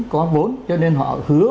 có vốn cho nên họ hứa